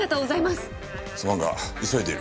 すまんが急いでいる。